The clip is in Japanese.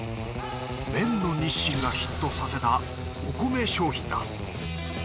麺の日清がヒットさせたお米商品だ。